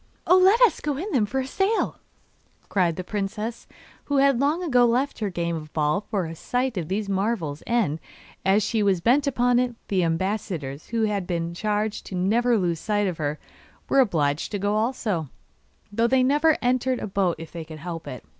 'Oh, let us go in them for a sail!' cried the princess, who had long ago left her game of ball for a sight of these marvels, and, as she was bent upon it, the ambassadors, who had been charged never to lose sight of her, were obliged to go also, though they never entered a boat if they could help it.